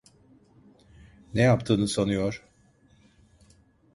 Ne yaptığını sanıyor?